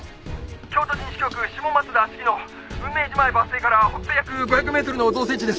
「京都市西京区下松田鴫野」「雲明寺前バス停から北西約５００メートルの造成地です」